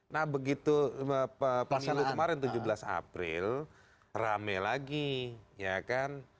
nah begitu pemilu kemarin tujuh belas april rame lagi ya kan